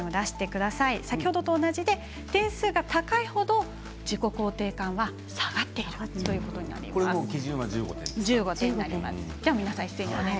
先ほど先ほど同じで点数が高いほど自己肯定感が下がっているということになります。